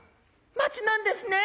街なんですね。